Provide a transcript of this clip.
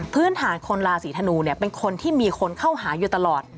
พื้นฐานคนราศีธนูเนี่ยเป็นคนที่มีคนเข้าหาอยู่ตลอด